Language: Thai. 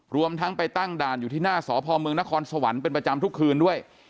รวมทั้งไปตั้งด่านอยู่ที่หน้าสพเมืองนครสวรรค์เป็นประจำทุกคืนด้วย